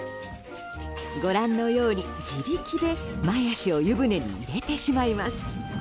ご覧のように、自力で前脚を湯船に入れてしまいます。